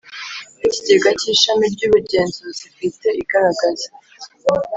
ikigega kishami ryubugenzuzi bwite igaragaza